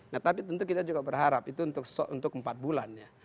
nah tapi tentu kita juga berharap itu untuk empat bulan ya